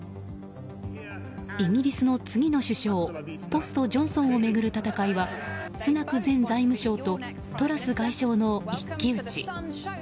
イギリスの次の首相ポスト・ジョンソンを巡る戦いは、スナク前財務相とトラス外相の一騎打ち。